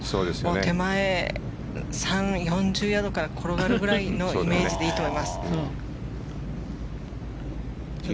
手前４０ヤードぐらいから転がるぐらいのイメージでいいと思います。